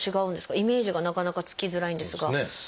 イメージがなかなかつきづらいんですが。